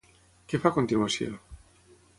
Què fa a continuació?